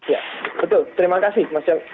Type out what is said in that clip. ya betul terima kasih mas